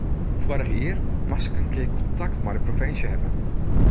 Foarich jier moast ik in kear kontakt mei de provinsje hawwe.